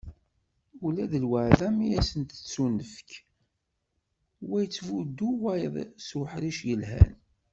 Ula d lwaεda mi asen-d-tettunefk, wa ittbuddu wayeḍ s uḥric yelhan.